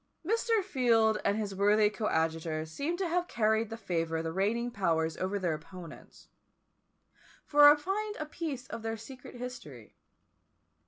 Mr. Field and his worthy coadjutor seem to have carried the favour of the reigning powers over their opponents; for I find a piece of their secret history.